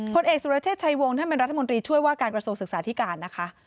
ผลเอกสุรเชษฐ์ชายวงถ้ามันรัฐมนตรีช่วยว่าการกระโสกศึกษาที่การนะคะ